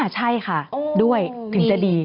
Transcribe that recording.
ใช่ค่ะด้วยถึงจะดี